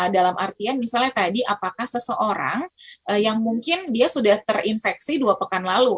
dalam artian misalnya tadi apakah seseorang yang mungkin dia sudah terinfeksi dua pekan lalu